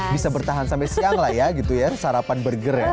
bisa bertahan sampai siang lah ya gitu ya sarapan burger ya